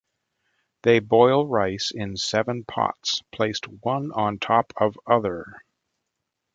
They boil rice in seven pots placed one on top of other.